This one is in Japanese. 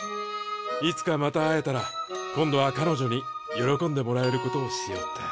いつかまた会えたら今度はかのじょに喜んでもらえることをしようって。